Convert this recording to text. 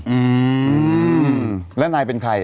อืมแล้วนายเป็นใคร